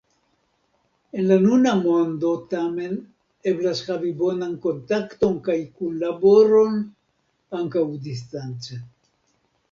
En la nuna mondo tamen eblas havi bonan kontakton kaj kunlaboron ankaŭ distance.